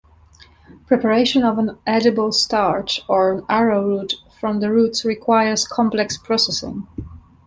Preparation of an edible starch, or arrowroot, from the roots requires complex processing.